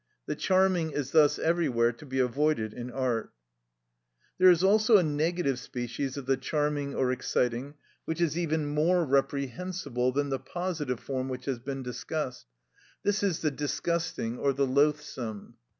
The charming is thus everywhere to be avoided in art. There is also a negative species of the charming or exciting which is even more reprehensible than the positive form which has been discussed; this is the disgusting or the loathsome.